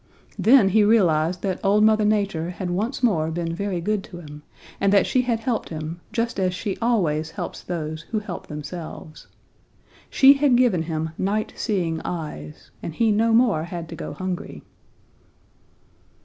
Then he realized that Old Mother Nature had once more been very good to him, and that she had helped him just as she always helps those who help themselves. She had given him night seeing eyes, and he no more had to go hungry.